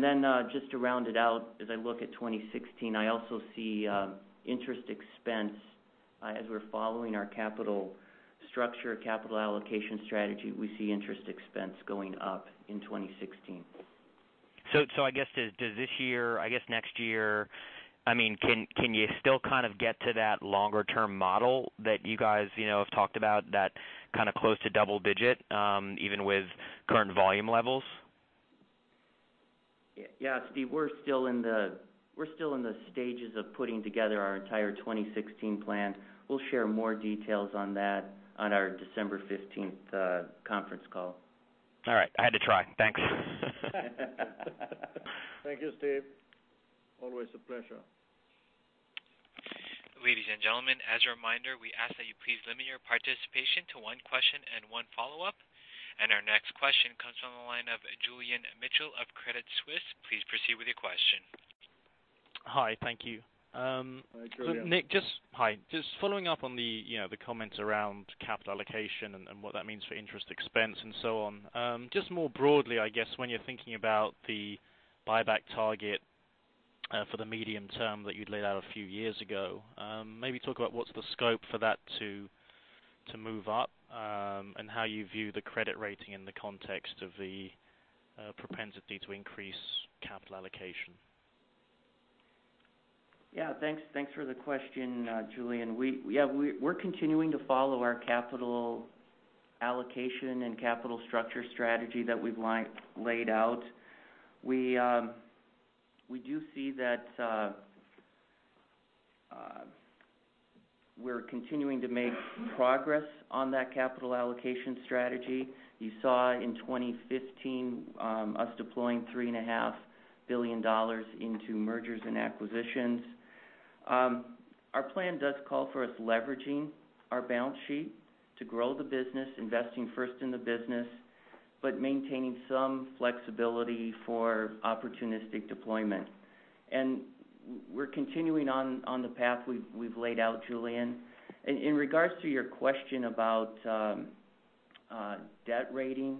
Then just to round it out, as I look at 2016, I also see interest expense as we're following our capital structure, capital allocation strategy, we see interest expense going up in 2016. I guess next year, can you still kind of get to that longer-term model that you guys have talked about, that kind of close to double digit, even with current volume levels? Yeah, Steve, we're still in the stages of putting together our entire 2016 plan. We'll share more details on that on our December 15th conference call. All right. I had to try. Thanks. Thank you, Steve. Always a pleasure. Ladies and gentlemen, as a reminder, we ask that you please limit your participation to one question and one follow-up. Our next question comes from the line of Julian Mitchell of Credit Suisse. Please proceed with your question. Hi. Thank you. Hi, Julian. Nick, hi. Just following up on the comments around capital allocation and what that means for interest expense and so on. Just more broadly, I guess when you're thinking about the buyback target for the medium term that you'd laid out a few years ago, maybe talk about what's the scope for that to move up, and how you view the credit rating in the context of the propensity to increase capital allocation. Thanks for the question, Julian. We're continuing to follow our capital allocation and capital structure strategy that we've laid out. We do see that we're continuing to make progress on that capital allocation strategy. You saw in 2015, us deploying $3.5 billion into mergers and acquisitions. Our plan does call for us leveraging our balance sheet to grow the business, investing first in the business, but maintaining some flexibility for opportunistic deployment. We're continuing on the path we've laid out, Julian. In regards to your question about On debt rating.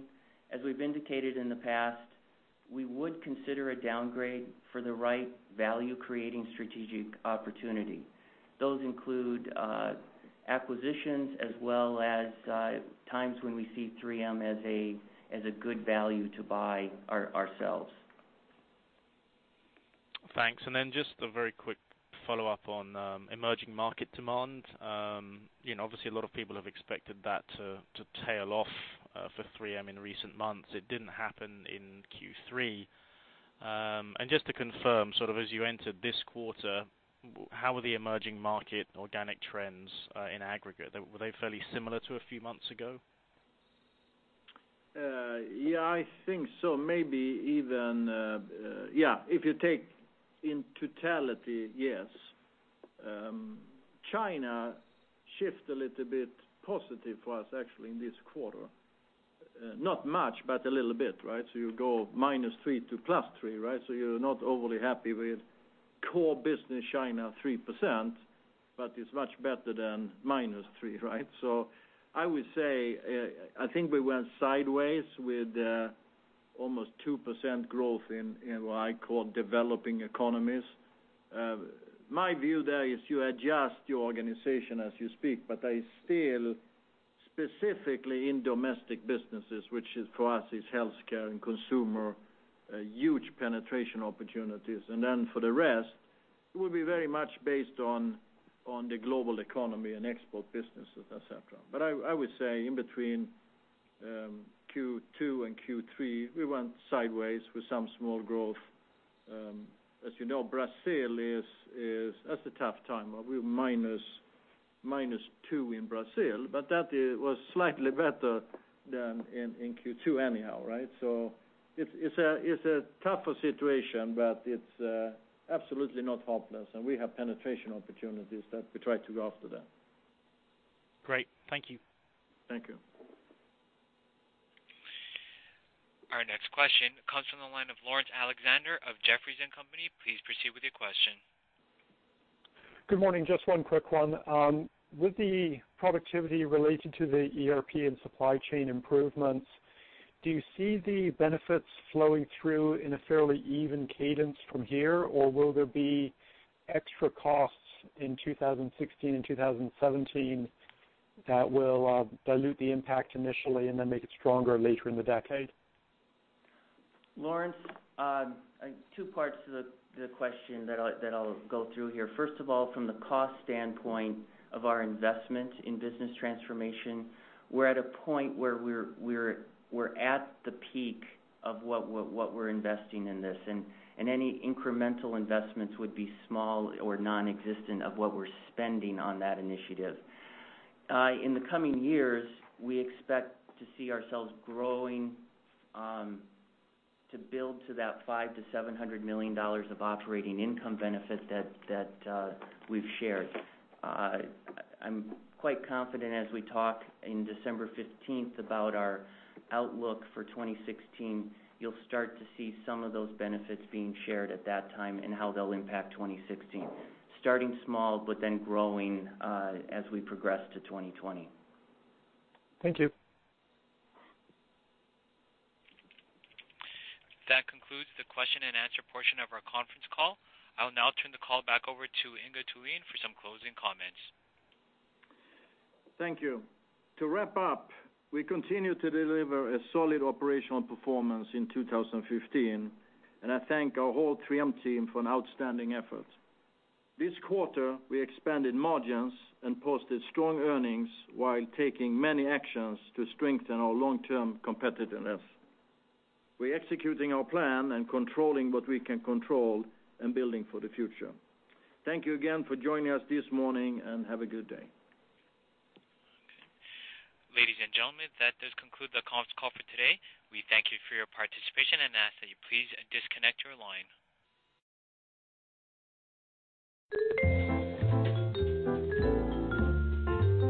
As we've indicated in the past, we would consider a downgrade for the right value-creating strategic opportunity. Those include acquisitions as well as times when we see 3M as a good value to buy ourselves. Thanks. Just a very quick follow-up on emerging market demand. Obviously, a lot of people have expected that to tail off for 3M in recent months. It didn't happen in Q3. Just to confirm, sort of as you entered this quarter, how were the emerging market organic trends in aggregate? Were they fairly similar to a few months ago? Yeah, I think so. Yeah, if you take in totality, yes. China shift a little bit positive for us actually in this quarter. Not much, but a little bit, right? You go minus 3 to plus 3, right? You're not overly happy with core business China 3%, but it's much better than minus 3, right? I would say, I think we went sideways with almost 2% growth in what I call developing economies. My view there is you adjust your organization as you speak, but I still, specifically in domestic businesses, which for us is healthcare and consumer, huge penetration opportunities, and then for the rest, it will be very much based on the global economy and export businesses, et cetera. I would say in between Q2 and Q3, we went sideways with some small growth. As you know, Brazil is at a tough time. We're minus 2 in Brazil, but that was slightly better than in Q2 anyhow, right? It's a tougher situation, but it's absolutely not hopeless, and we have penetration opportunities that we try to go after then. Great. Thank you. Thank you. Our next question comes from the line of Laurence Alexander of Jefferies & Company. Please proceed with your question. Good morning. Just one quick one. With the productivity related to the ERP and supply chain improvements, do you see the benefits flowing through in a fairly even cadence from here, or will there be extra costs in 2016 and 2017 that will dilute the impact initially and then make it stronger later in the decade? Laurence, two parts to the question that I'll go through here. First of all, from the cost standpoint of our investment in business transformation, we're at a point where we're at the peak of what we're investing in this, and any incremental investments would be small or nonexistent of what we're spending on that initiative. In the coming years, we expect to see ourselves growing to build to that $500 million-$700 million of operating income benefit that we've shared. I'm quite confident as we talk in December 15th about our outlook for 2016, you'll start to see some of those benefits being shared at that time and how they'll impact 2016. Starting small, but then growing as we progress to 2020. Thank you. That concludes the question and answer portion of our conference call. I'll now turn the call back over to Inge Thulin for some closing comments. Thank you. To wrap up, we continue to deliver a solid operational performance in 2015, and I thank our whole 3M team for an outstanding effort. This quarter, we expanded margins and posted strong earnings while taking many actions to strengthen our long-term competitiveness. We're executing our plan and controlling what we can control and building for the future. Thank you again for joining us this morning, and have a good day. Okay. Ladies and gentlemen, that does conclude the conference call for today. We thank you for your participation and ask that you please disconnect your line.